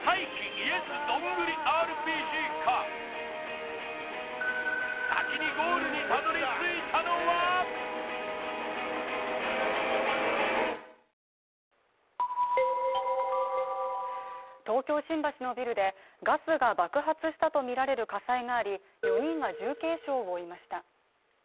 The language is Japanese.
ＹｅｓどんぐりＲＰＧか東京・新橋のビルでガスが爆発したとみられる火災があり、４人が重軽傷を負いました。